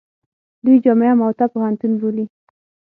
دوی جامعه موته پوهنتون بولي.